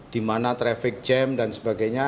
di mana traffic jam dan sebagainya